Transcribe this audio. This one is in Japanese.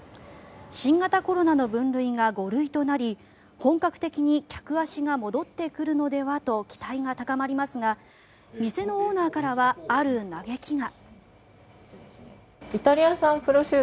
新型コロナの分類が５類となり本格的に客足が戻ってくるのではと期待が高まりますが店のオーナーからはある嘆きが。